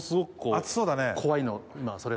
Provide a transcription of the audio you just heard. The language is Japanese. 熱そうだね。